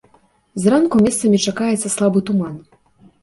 Зранку месцамі чакаецца слабы туман.